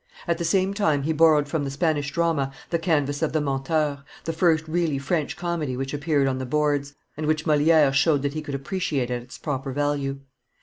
At the same time he borrowed from the Spanish drama the canvas of the Menteur, the first really French comedy which appeared on the boards, and which Moliere showed that he could appreciate at its proper value.